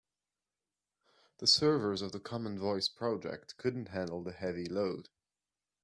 The servers of the common voice project couldn't handle the heavy load.